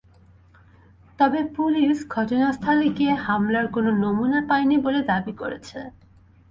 তবে পুলিশ ঘটনাস্থলে গিয়ে হামলার কোনো নমুনা পায়নি বলে দাবি করেছে।